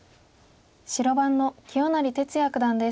白番の清成哲也九段です。